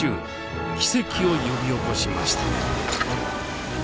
奇跡を呼び起こしました。